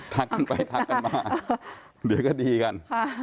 กันไปทักกันมาเดี๋ยวก็ดีกัน